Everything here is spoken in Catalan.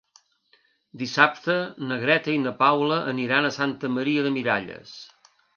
Dissabte na Greta i na Paula aniran a Santa Maria de Miralles.